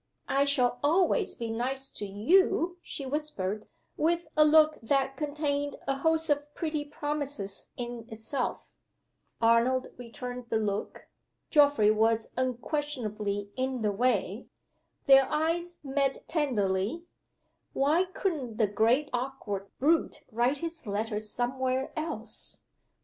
"I shall always be nice to you," she whispered with a look that contained a host of pretty promises in itself. Arnold returned the look (Geoffrey was unquestionably in the way!). Their eyes met tenderly (why couldn't the great awkward brute write his letters somewhere else?).